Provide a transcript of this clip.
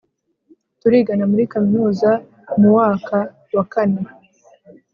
turigana muri kaminuza muwaka wa kane